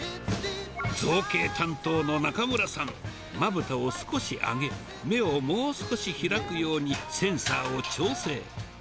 造形担当の中村さん、まぶたを少し上げ、目をもう少し開くように、センサーを調整。